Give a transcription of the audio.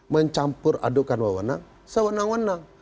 mencampur adukan wawenang sewenang wenang